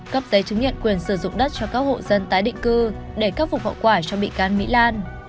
cấp giấy chứng nhận quyền sử dụng đất cho các hộ dân tái định cư để khắc phục hậu quả cho bị can mỹ lan